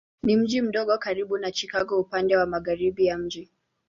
Ni mji mdogo karibu na Chicago upande wa magharibi ya mji.